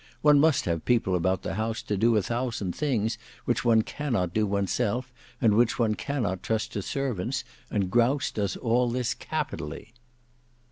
One must have people about the house to do a thousand things which one cannot do oneself, and which one cannot trust to servants, and Grouse does all this capitally."